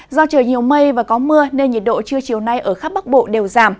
do trời nhiều mây và có mưa nên nhiệt độ trưa chiều nay ở khắp bắc bộ đều giảm